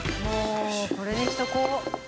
これにしとこう。